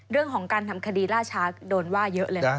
เรื่องของการทำคดีล่าช้าโดนว่าเยอะเลยนะ